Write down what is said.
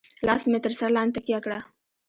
لاس مې تر سر لاندې تکيه کړه.